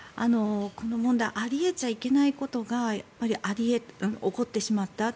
この問題あり得たらいけないことが起こってしまった。